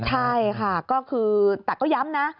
ใช่ค่ะแต่ก็ย้ำนะ